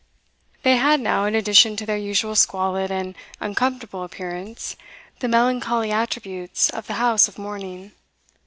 They had now, in addition to their usual squalid and uncomfortable appearance, the melancholy attributes of the house of mourning.